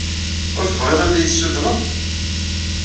Ur tebɣiḍ ad iyi-tessudneḍ?